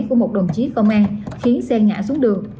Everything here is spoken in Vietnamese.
của một đồng chí công an khiến xe ngã xuống đường